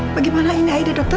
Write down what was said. bagaimana ini aida dokter